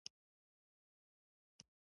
ځان یې مروه ته ورسولو.